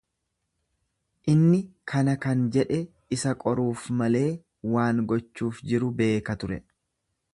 Inni kana kan jedhe isa qoruuf malee, waan gochuuf jiru beeka ture.